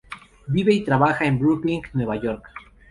Vive y trabaja en Brooklyn, Nueva York.